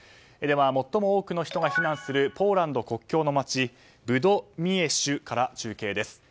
では、最も多くの人が避難するポーランド国境の町ブドミエジュから中継です。